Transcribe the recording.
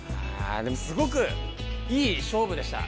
でもすごくいい勝負でした。